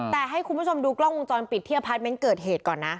แต่ให้คุณผู้ชมดูกล้องวงจรปิดที่อพาร์ทเมนต์เกิดเหตุก่อนนะ